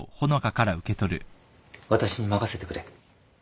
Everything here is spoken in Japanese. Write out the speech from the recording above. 私に任せてくれ